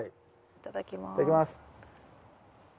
いただきます。